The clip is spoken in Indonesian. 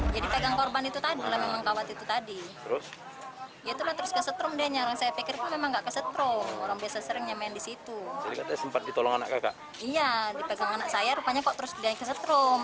iya dipegang anak saya rupanya kok terus dia kesetrum